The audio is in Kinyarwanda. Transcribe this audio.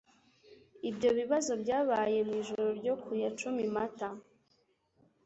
Ibyo bIbazo Byabaye Mu ijoro ryo ku ya cumi Mata